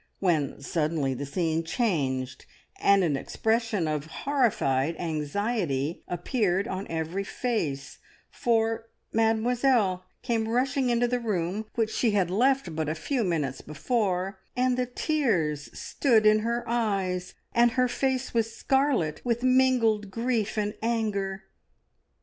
when suddenly the scene changed, and an expression of horrified anxiety appeared on every face, for Mademoiselle came rushing into the room, which she had left but a few minutes before, and the tears stood in her eyes, and her face was scarlet with mingled grief and anger.